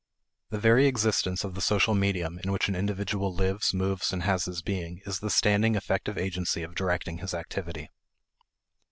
The very existence of the social medium in which an individual lives, moves, and has his being is the standing effective agency of directing his activity.